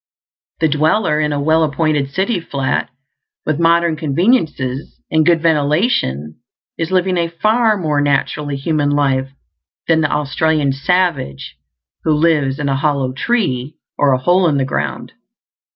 The dweller in a well appointed city flat, with modern conveniences and good ventilation, is living a far more naturally human life than the Australian savage who lives in a hollow tree or a hole in the ground.